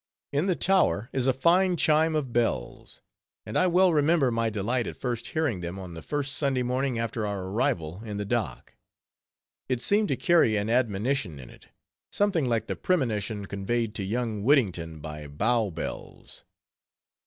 In the tower is a fine chime of bells; and I well remember my delight at first hearing them on the first Sunday morning after our arrival in the dock. It seemed to carry an admonition with it; something like the premonition conveyed to young Whittington by Bow Bells.